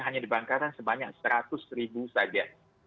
hanya dibangkarkan sebanyak rp seratus saja